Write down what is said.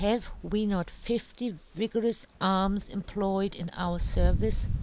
15 " Have we not fifty vigorous arms " employed in our fervice?